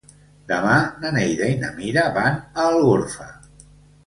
Demà na Neida i na Mira van a Algorfa.